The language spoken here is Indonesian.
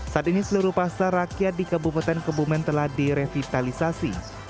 saat ini seluruh pasar rakyat di kabupaten kebumen telah direvitalisasi